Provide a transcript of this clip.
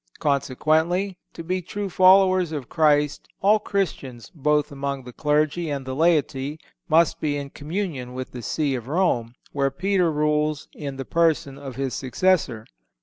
Consequently, to be true followers of Christ all Christians, both among the clergy and the laity, must be in communion with the See of Rome, where Peter rules in the person of his successor.